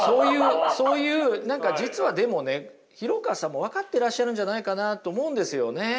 そういう何か実はでもね廣川さんも分かってらっしゃるんじゃないかなと思うんですよね。